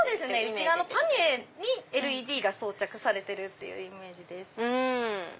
内側のパニエにＬＥＤが装着されてるイメージです。